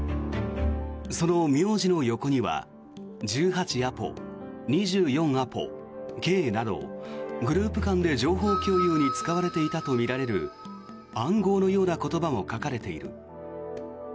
その名字の横には１８アポ、２４アポ、継などグループ間で情報共有に使われていたとみられる暗号のような言葉も書かれている。